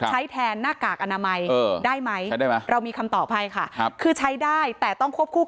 ใช้แทนนักกากอนามัยได้ไหมเรามีคำตอบให้ค่ะคือใช้ได้แต่ต้องควบคู่กับ